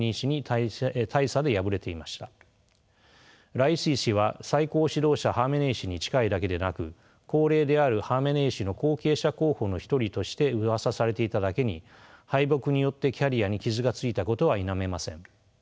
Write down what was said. ライシ師は最高指導者ハーメネイ師に近いだけでなく高齢であるハーメネイ師の後継者候補の一人としてうわさされていただけに敗北によってキャリアに傷がついたことは否めません。